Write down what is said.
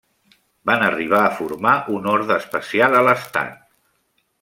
Van arribar a formar un orde especial a l'estat.